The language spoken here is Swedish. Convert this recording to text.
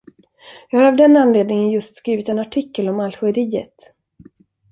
Jag har av den anledningen just skrivit en artikel om Algeriet.